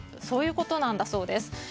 そういうことなんだそうです。